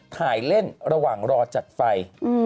ถ่ายเล่นระหว่างรอจัดไฟ